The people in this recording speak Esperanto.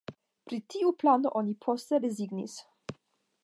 Pri tiu plano oni poste rezignis.